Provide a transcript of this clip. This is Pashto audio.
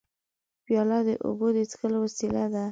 پیاله د اوبو د څښلو وسیله ده.